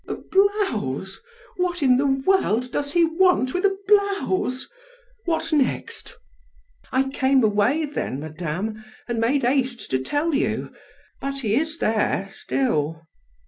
"A blouse! What in the world does he want with a blouse? What next?" "I came away, then, madame, and made haste to tell you; but he is there still."